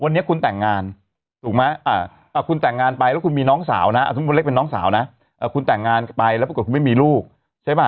วันนี้คุณแต่งงานถูกมั้ยคุณแต่งงานไปแล้วคุณมีน้องสาวนะคุณแต่งงานไปแล้วปรากฏคุณไม่มีลูกใช่ป่ะ